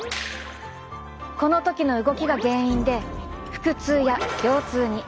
この時の動きが原因で腹痛や腰痛に。